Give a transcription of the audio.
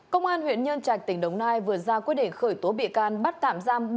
công an huyện nhân trạch tỉnh đồng nai vừa ra quyết định khởi tố bị can bắt tạm giam